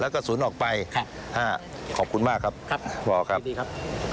แล้วก็สุนออกไปครับฮะขอบคุณมากครับครับบอกครับดีครับ